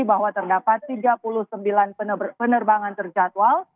bahwa terdapat tiga puluh sembilan penerbangan terjadwal